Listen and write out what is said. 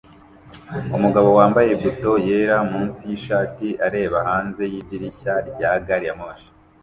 Umugabo wambaye buto yera munsi yishati areba hanze yidirishya rya gari ya moshi